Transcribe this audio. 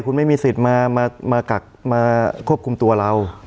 คุณไม่มีสิทธิ์มากักมาควบคุมตัวเรา